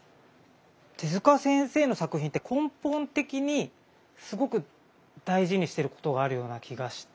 手先生の作品って根本的にすごく大事にしていることがあるような気がして。